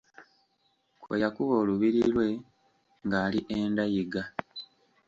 Kwe yakuba olubiri lwe ng’ali e ndayiga.